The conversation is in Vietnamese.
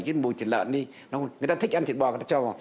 khi chúng ta thích ăn thịt bò